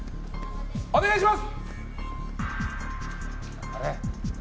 お願いします。